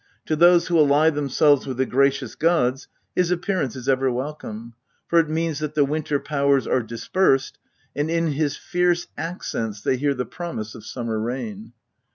To those who ally themselves with the gracious gods his appearance is ever welcome, for it means that the winter powers are dispersed, and in his fierce accents they hear the promise of summer rain.